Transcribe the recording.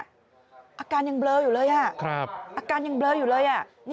อาการยังเบลออยู่เลย